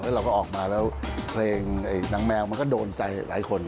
เราก็ออกมาแล้วเพลงนางแมวมันก็โดนใจหลายคน